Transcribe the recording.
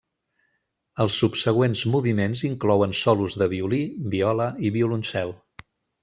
Els subsegüents moviments inclouen solos de violí, viola i violoncel.